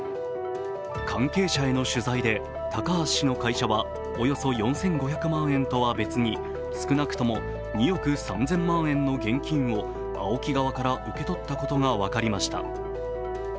関係者への取材で、高橋氏の会社はおよそ４５００万円とは別に少なくとも２億３０００万円の現金をＡＯＫＩ側から受け取ったことが分かりました。